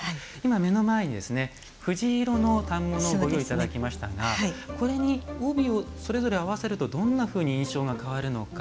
目の前に、藤色の反物をご用意いただきましたがこれに、帯をそれぞれ合わせるとどんなふうに印象が変わるのか